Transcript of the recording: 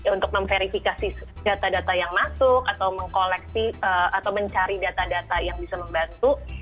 untuk memverifikasi data data yang masuk atau mengkoleksi atau mencari data data yang bisa membantu